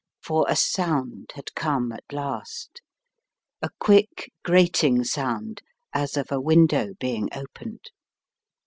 For a sound had come at last, a quick, grating sound as of a window being opened.